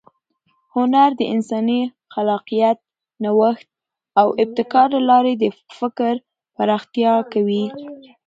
هنر د انساني خلاقیت، نوښت او ابتکار له لارې د فکر پراختیا کوي.